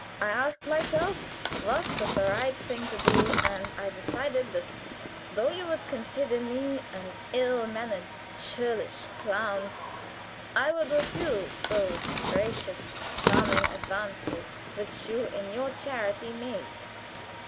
I asked myself what was the right thing to do, and I decided that though you would consider me an ill mannered, churlish clown, I would refuse those gracious, charming advances which you in your charity made.